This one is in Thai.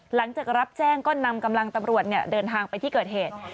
หลังจากรับแจ้งก็นำกำลังตำรวจเดินทางไปที่เกิดเหตุ